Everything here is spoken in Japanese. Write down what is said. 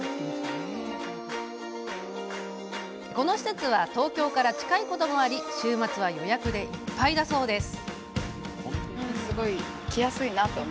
この施設は東京から近いこともあり週末は予約でいっぱいだそうです。